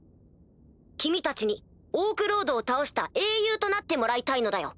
君たちにオークロードを倒した英雄となってもらいたいのだよ。